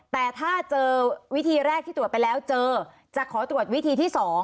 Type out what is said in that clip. แต่ถ้าเจอวิธีแรกที่ตรวจไปแล้วเจอจะขอตรวจวิธีที่๒